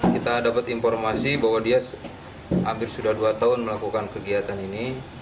kita dapat informasi bahwa dia hampir sudah dua tahun melakukan kegiatan ini